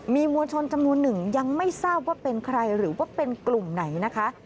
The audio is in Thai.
มีมวลชนจำนวนหนึ่งยังไม่ทราบว่าเป็นใครหรือว่าเป็นกลุ่มไหนนะคะ